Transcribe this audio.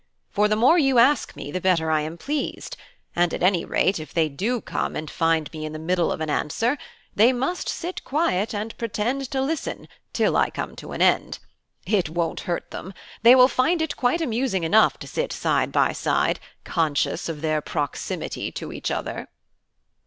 "For the more you ask me the better I am pleased; and at any rate if they do come and find me in the middle of an answer, they must sit quiet and pretend to listen till I come to an end. It won't hurt them; they will find it quite amusing enough to sit side by side, conscious of their proximity to each other."